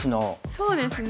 そうですね。